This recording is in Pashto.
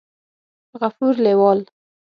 غفور لېوال